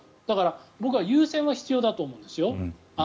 だから僕は優先は必要だと思うんですよ。